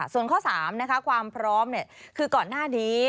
ส่วนข้อ๓ความพร้อมคือก่อนหน้านี้